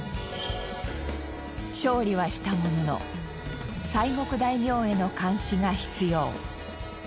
勝利はしたものの西国大名への監視が必要。